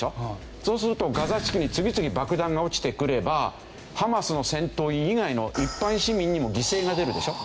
そうするとガザ地区に次々爆弾が落ちてくればハマスの戦闘員以外の一般市民にも犠牲が出るでしょ？